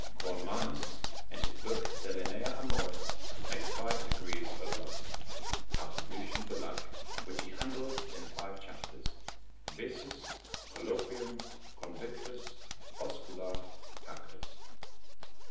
Kornmannus, in his book de linea amoris, makes five degrees of lust, out of Lucian belike, which he handles in five chapters, Visus, Colloquium, Convictus, Oscula, Tactus.